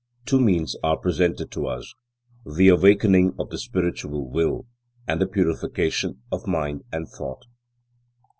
Two means are presented to us: the awakening of the spiritual will, and the purification of mind and thought.